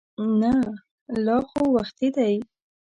نه لا خو وختي دی.